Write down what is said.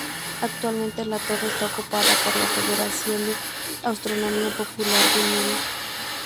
Actualmente la torre está ocupada por la Federación de Astronomía Popular del Midi.